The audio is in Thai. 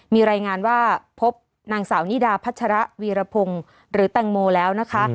มีรายงานว่าพบนางสาวนิดาพัชระวีรพงศ์หรือแตงโมแล้วนะคะ